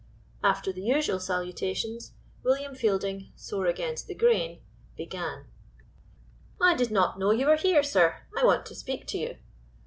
After the usual salutations William Fielding, sore against the grain, began: "I did not know you were here, sir! I want to speak to you."